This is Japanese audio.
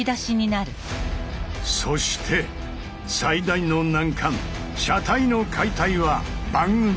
そして最大の難関車体の解体は番組の後半で！